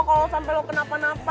kalau sampai lo kena apa apa